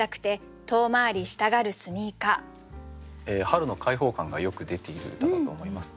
春の開放感がよく出ている歌だと思います。